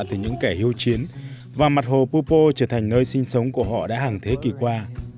từ những kẻ hưu chiến và mặt hồ pupo trở thành nơi sinh sống của họ đã hàng thế kỷ qua